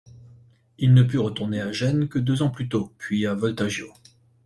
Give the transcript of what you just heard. Il ne put retourner à Gênes que deux ans plus tard, puis à Voltaggio.